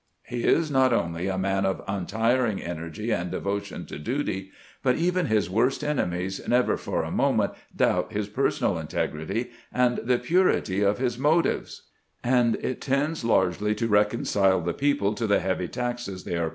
He is not only a man of untiring energy and devotion to duty, but even his worst enemies never for a moment doubt his personal integrity and the purity of his motives 5 and it tends largely to reconcile the peo COPYRIGHT, 1891, BV M. .